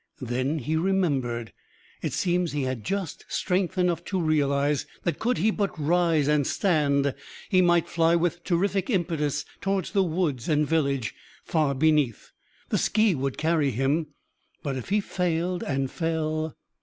Then he remembered. It seems he had just strength enough to realise that, could he but rise and stand, he might fly with terrific impetus towards the woods and village far beneath. The ski would carry him. But if he failed and fell